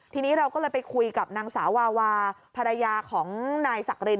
ทีนี้เราก็เลยไปคุยกับนางสาววาวาภรรยาของนายสักริน